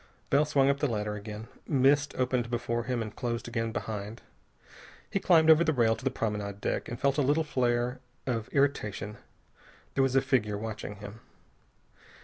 Bell swung up the ladder again. Mist opened before him and closed again behind. He climbed over the rail to the promenade deck, and felt a little flare of irritation. There was a figure watching him.